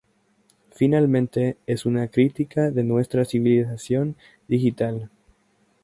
Finalmente, es una crítica de nuestra civilización digital.